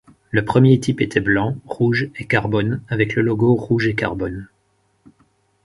Le premier type était blanc, rouge et carbone, avec le logo rouge et carbone.